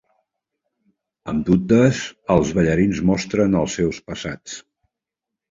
Amb dubtes, els ballarins mostren els seus passats.